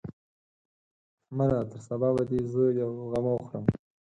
احمده! تر سبا به دې زه يوه غمه وخورم.